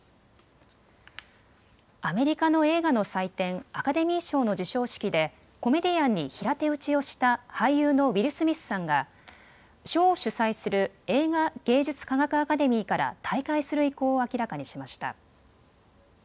アメリカの映画の祭典、アカデミー賞の授賞式でコメディアンに平手打ちをした俳優のウィル・スミスさんが賞を主催する映画芸術科学アカデミーから退会する意向を明らかにしました。